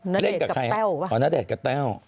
นาเดตกับแต้วไหมอ๋อนาเดตกับแต้ว